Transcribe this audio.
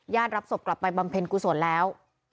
รับศพกลับไปบำเพ็ญกุศลแล้ว